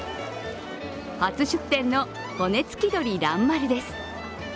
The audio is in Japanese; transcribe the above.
初出店の骨付鳥蘭丸です。